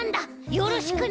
よろしくね！